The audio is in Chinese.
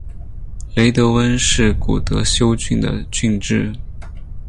雷德温是古德休郡的郡治。